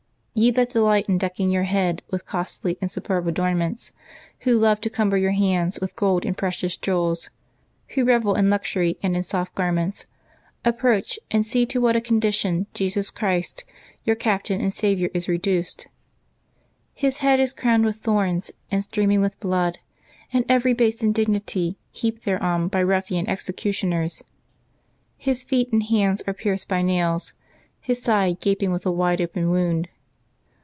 SE that delight in decking your head with costly and superb adornments, who love to cumber your hands with gold and precious jewels, who revel in luxury and in soft garments, approach and see to what a condition Jesus Christ, your Captain and Saviour, is reduced. His head is crowned with thorns and streaming with blood, and every base indignity heaped thereon by ruffian executioners ; His feet and hands are pierced by nails, His side gaping with a wide open wound.